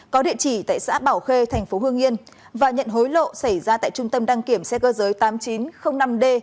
có địa chỉ tại xã bảo khê thành phố hương yên và nhận hối lộ xảy ra tại trung tâm đăng kiểm xe cơ giới tám nghìn chín trăm linh năm d